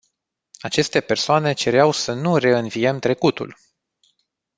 Aceste persoane cereau să nu reînviem trecutul.